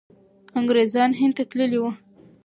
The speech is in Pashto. انګریزان هند ته تللي وو.